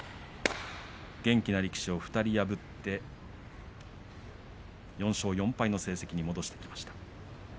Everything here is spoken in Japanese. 元気な力士を２人破って４勝４敗の成績に戻しました。